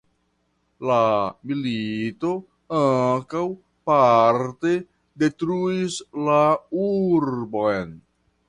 La milito ankaŭ parte detruis la urbon.